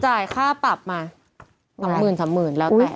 จ่ายค่าปรับมาสามหมื่นสามหมื่นแล้วแต่